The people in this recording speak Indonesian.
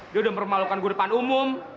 dia udah mempermalukan gue depan umum